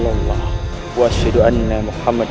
aku berdoa kepada muhammad